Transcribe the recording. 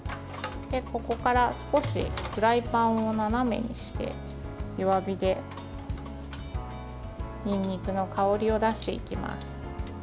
ここから少しフライパンを斜めにして弱火で、にんにくの香りを出していきます。